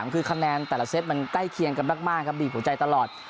คือคะแนนแต่ละเซตมันใกล้เคียงกันมากครับบีบหัวใจตลอด